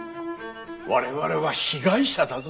我々は被害者だぞ。